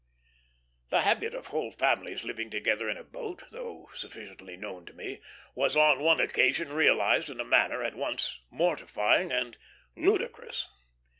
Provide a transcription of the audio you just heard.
The habit of whole families living together in a boat, though sufficiently known to me, was on one occasion realized in a manner at once mortifying and ludicrous.